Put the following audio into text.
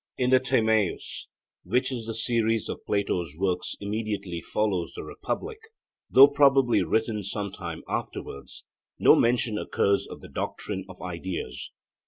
In the Timaeus, which in the series of Plato's works immediately follows the Republic, though probably written some time afterwards, no mention occurs of the doctrine of ideas.